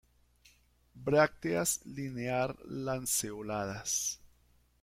Brácteas linear-lanceoladas.